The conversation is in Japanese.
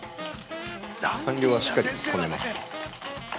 半量はしっかりこねます。